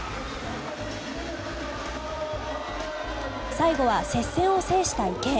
最後は接戦を制した池江。